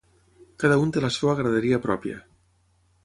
Cada un té la seva graderia pròpia.